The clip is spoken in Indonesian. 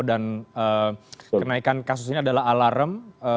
dan kenaikan kasus ini adalah alarem